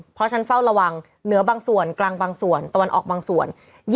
เพราะฉะนั้นเฝ้าระวังเหนือบางส่วนกลางบางส่วนตะวันออกบางส่วน